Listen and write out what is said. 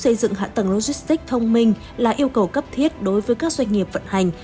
xây dựng hạ tầng logistics thông minh là yêu cầu cấp thiết đối với các doanh nghiệp vận hành